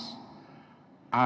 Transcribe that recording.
tapi juga kekuatan